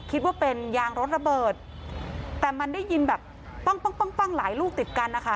คิดว่าเป็นยางรถระเบิดแต่มันได้ยินแบบปั้งปั้งปั้งปั้งหลายลูกติดกันนะคะ